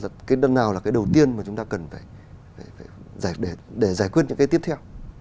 cái đơn nào là cái đầu tiên mà chúng ta cần phải giải quyết những cái tiếp theo